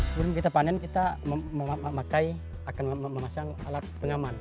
sebelum kita panen kita memakai akan memasang alat pengaman